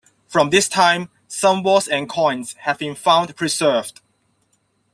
From this time, some walls and coins have been found preserved.